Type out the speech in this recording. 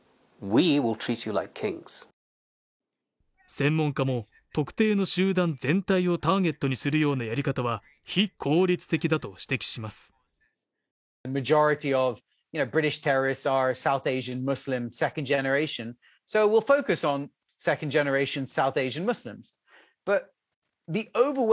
専門家も、特定の集団全体をターゲットにするようなやり方は、非効率的だと指摘します。